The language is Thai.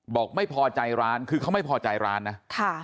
บอกไม่พอใจร้านคือเขาไม่พอใจร้านนะค่ะ